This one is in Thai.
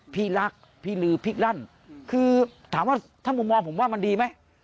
พี่รักพี่ลือพลิกลั่นคือถามว่าถ้ามุมมองผมว่ามันดีไหม